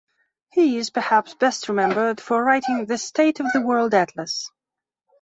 He is perhaps best remembered for writing "The State Of The World Atlas".